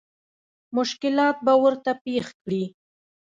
مشکلات به ورته پېښ کړي.